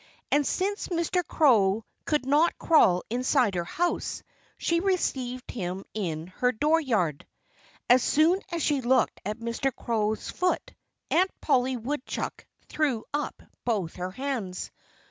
And since Mr. Crow could not crawl inside her house, she received him in her dooryard. As soon as she looked at Mr. Crow's foot Aunt Polly Woodchuck threw up both her hands.